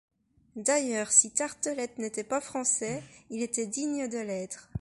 D’ailleurs, si Tartelett n’était pas Français, il était digne de l’être.